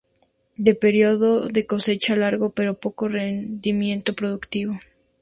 De periodo de cosecha largo pero poco rendimiento productivo.